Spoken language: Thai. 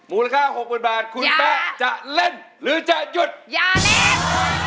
มูลค่า๖๐๐๐บาทคุณแป๊ะจะเล่นหรือจะหยุดอย่าเล่น